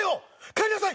帰りなさい！